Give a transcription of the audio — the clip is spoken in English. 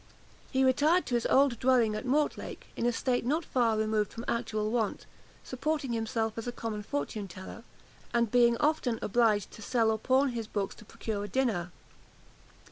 He retired to his old dwelling at Mortlake, in a state not far removed from actual want, supporting himself as a common fortune teller, and being often obliged to sell or pawn his books to procure a dinner.